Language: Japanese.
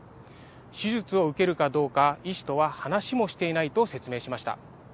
手術を受けるかどうか医師とは話もしていないと説明しました。